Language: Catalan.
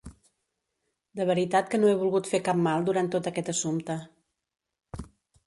De veritat que no he volgut fer cap mal durant tot aquest assumpte.